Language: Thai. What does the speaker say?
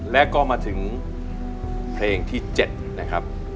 และก็มาถึงเพลงที่๗นะครับ